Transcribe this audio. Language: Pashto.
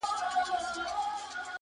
هغه به زما له سترگو _